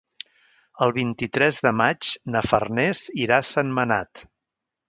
El vint-i-tres de maig na Farners irà a Sentmenat.